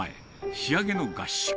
仕上げの合宿。